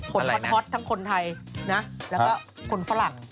ฮอตทั้งคนไทยนะแล้วก็คนฝรั่ง